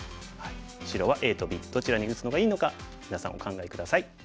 白はＡとＢどちらに打つのがいいのかみなさんお考え下さい。